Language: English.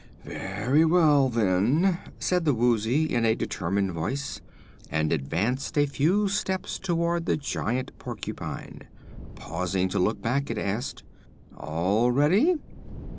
"Very well, then," said the Woozy in a determined voice, and advanced a few steps toward the giant porcupine. Pausing to look back, it asked: "All ready?"